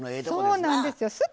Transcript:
そうなんですよ。